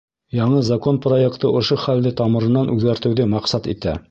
Яңы закон проекты ошо хәлде тамырынан үҙгәртеүҙе маҡсат итә.